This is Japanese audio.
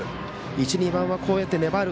１、２番は、こうやって粘る。